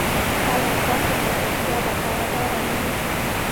ایا ستاسو ملګرتیا به پایداره نه وي؟